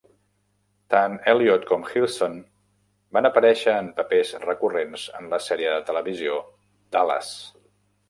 Tant Elliott com Hirson van aparèixer en papers recurrents en la sèrie de televisió "Dallas".